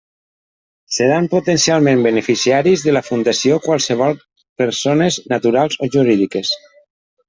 Seran potencialment beneficiaris de la fundació qualssevol persones naturals o jurídiques.